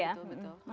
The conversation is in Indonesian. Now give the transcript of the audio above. iya betul betul